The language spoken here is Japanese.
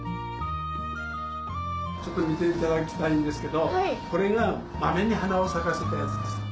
ちょっと見ていただきたいんですけどこれが豆に花を咲かせたやつです。